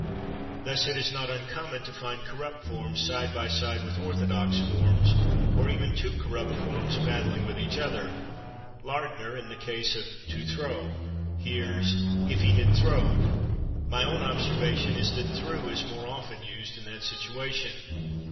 Thus it is not uncommon to find corrupt forms side by side with orthodox forms, or even two corrupt forms battling with each other. Lardner, in the case of /to throw/, hears "if he had /throwed/"; my own observation is that /threw/ is more often used in that situation.